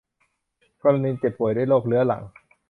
กรณีเจ็บป่วยด้วยโรคเรื้อรัง